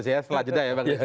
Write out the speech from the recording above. setelah jeda ya pak riza